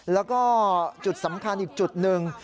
แล้วก็จุดสำคัญอีกจุดหนึ่ง